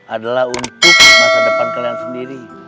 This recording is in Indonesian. adalah untuk masa depan kalian sendiri